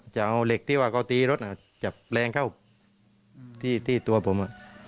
จะเอาเหล็กที่ว่าเขาตีรถจับแรงเข้าที่ตัวผม